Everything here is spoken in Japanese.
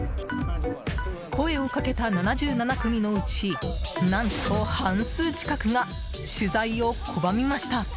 声をかけた７７組のうち何と半数近くが取材を拒みました。